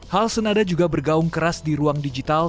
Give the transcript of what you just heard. hal senada juga bergaung keras di ruang digital